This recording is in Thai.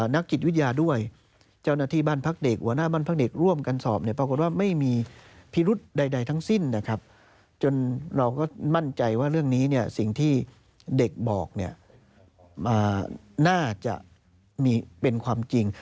นักจิตวิทยาด้วยเจ้าหน้าที่บ้านพักเด็กหัวหน้าบ้านพักเด็กร่วมกันสอบเนี่ยปรากฏว่าไม่มีพิรุธใดทั้งสิ้นนะครับจนเราก็มั่นใจว่าเรื่องนี้เนี่ยสิ่งที่เด็กบอกเนี่ยน่าจะมีเป็นความจริง